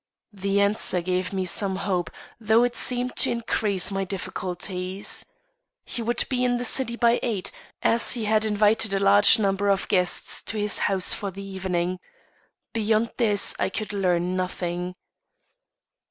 The answer gave me some hope, though it seemed to increase my difficulties. He would be in the city by eight, as he had invited a large number of guests to his house for the evening. Beyond this, I could learn nothing.